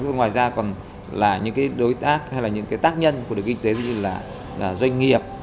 ngoài ra còn là những cái đối tác hay là những cái tác nhân của nền kinh tế như là doanh nghiệp